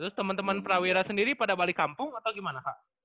terus teman teman prawira sendiri pada balik kampung atau gimana kak